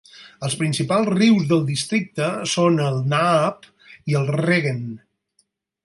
Els principals rius del districte són el Naab i el Regen.